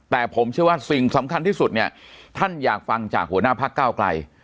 แต่ผมเชื่อว่าสิ่งสำคัญที่สุดเนี่ยท่านอยากฟังจากหัวหน้าพักเก้าไกล